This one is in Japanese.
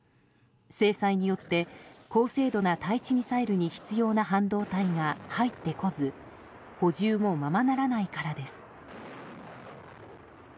制裁によって高精度な対地ミサイルに必要な半導体が入ってこず補充もままならないからです。